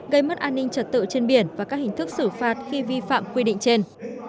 gây mất an ninh trật tự trên biển và các hình thức xử phạt khi vi phạm quy định trên